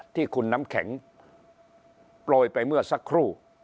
ที่คุณน้ำแข็งโปรยไปเมื่อสักครู่